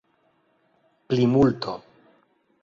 plimulto